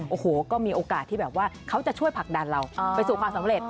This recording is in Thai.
โอ้โหก็มีโอกาสที่แบบว่าเขาจะช่วยผลักดันเราไปสู่ความสำเร็จ